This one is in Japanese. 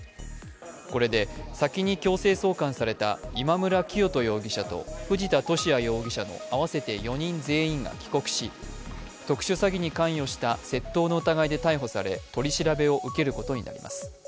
これで、先に強制送還された今村磨人容疑者と藤田聖也容疑者の合わせて４人全員が帰国し特殊詐欺に関与した窃盗の疑いで逮捕され取り調べを受けることになります。